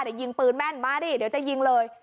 เดี๋ยวยิงปืนแม่นมาดิเดี๋ยวจะยิงเลย